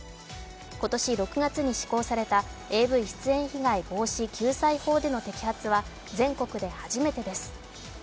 今年６月に施行されたＡＶ出演被害防止・救済法での摘発は全国で初めてです。